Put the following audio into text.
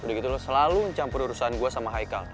udah gitu lo selalu campur urusan gue sama haikal